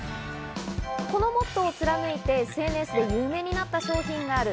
このモットーを貫いて、ＳＮＳで有名になった商品があります。